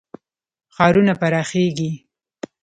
ښارونه پراخیږي.